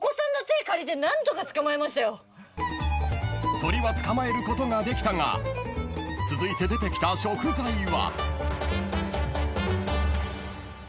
［鶏は捕まえることができたが続いて出てきた食材は？］